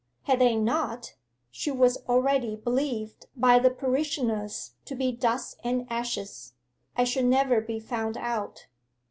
Had they not, she was already believed by the parishioners to be dust and ashes. I should never be found out.